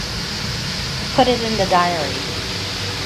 I've put it in the diary.